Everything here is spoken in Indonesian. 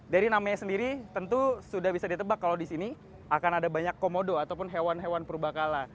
dari namanya sendiri tentu sudah bisa ditebak kalau di sini akan ada banyak komodo ataupun hewan hewan purba kala